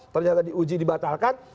ternyata diuji dibatalkan